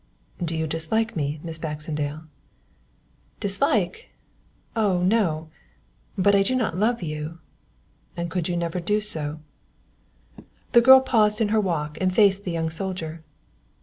"Do you dislike me, Miss Baxendale?" "Dislike oh no, but I do not love you." "And you could never do so?" The girl paused in her walk and faced the young soldier.